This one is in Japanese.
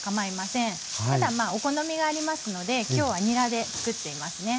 ただまあお好みがありますので今日はにらで作っていますね。